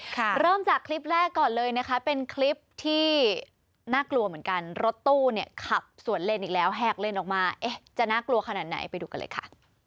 เริ่มจากคลิปแรกก่อนเลยนะคะเป็นคลิปที่น่ากลัวเหมือนกันรถตู้เนี่ยขับสวนเลนอีกแล้วแหกเลนออกมาเอ๊ะจะน่ากลัวขนาดไหนไปดูกันเลยค่ะ